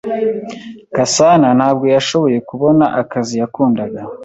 Gasanantabwo yashoboye kubona akazi yakundaga.